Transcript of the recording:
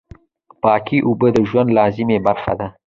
پاکې اوبه د ژوند لازمي برخه دي.